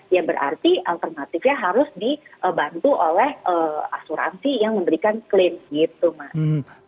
ya berarti alternatifnya harus dibantu oleh asuransi yang memberikan klaim gitu mas